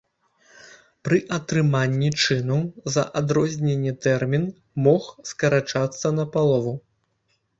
Пры атрыманні чыну за адрозненне тэрмін мог скарачацца напалову.